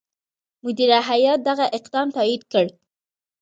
مدیره هیات دغه اقدام تایید کړ.